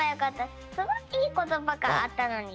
すごくいいことばがあったのに。